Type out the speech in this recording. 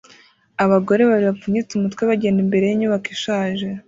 Abagore babiri bapfunyitse umutwe bagenda imbere yinyubako ishaje